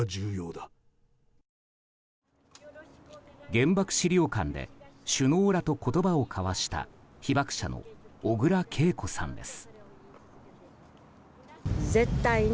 原爆資料館で首脳らと言葉を交わした被爆者の小倉桂子さんです。